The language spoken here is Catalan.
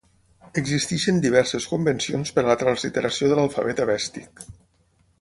Existeixen diverses convencions per a la transliteració de l'alfabet avèstic.